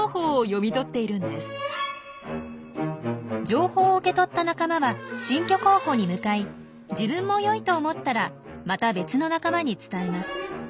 情報を受け取った仲間は新居候補に向かい自分も良いと思ったらまた別の仲間に伝えます。